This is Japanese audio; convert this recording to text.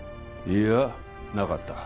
いいやなかっ